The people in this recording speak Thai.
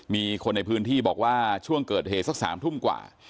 มีคนในพื้นที่บอกว่าช่วงเกิดเหตุสัก๓ทุ่มกว่า